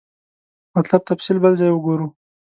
مطلب تفصیل بل ځای وګورو.